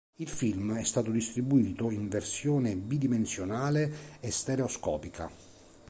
Il film è stato distribuito in versione bidimensionale e stereoscopica.